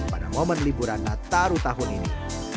pada momen liburan nataru tahun ini